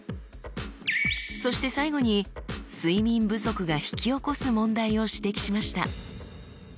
そして最後に睡眠不足が引き起こす問題を指摘しました。